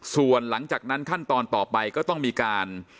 ส่วนหลังจากนั้นขั้นตอนต่อไปก็ต้องมีการ